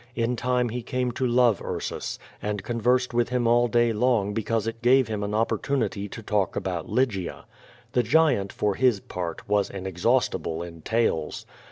In time he came to love Ursus, and conversed with him all day long because it gave him an opportunity to talk about Lygia. The giant, for his part, was inexhaustible in talcs.